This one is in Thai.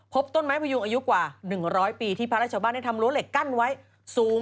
พบต้นไม้ผยัอยูกว่าหนึ่งร้อยปีที่พรชวบ้านให้ทำโรดเก้ลเห้อสูง